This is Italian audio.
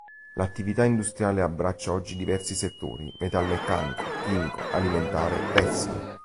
L'attività industriale abbraccia oggi diversi settori: metalmeccanico, chimico, alimentare, tessile.